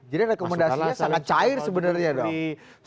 jadi rekomendasinya sangat cair sebenarnya dong